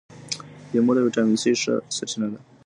لیمو د ویټامین سي ښه سرچینه ده.